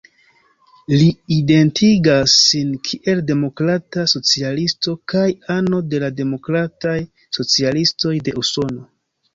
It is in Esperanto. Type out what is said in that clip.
Li identigas sin kiel demokrata socialisto kaj ano de la Demokrataj Socialistoj de Usono.